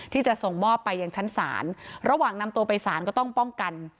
ที่จะส่งมอบไปยังชั้นศาลระหว่างนำตัวไปสารก็ต้องป้องกัน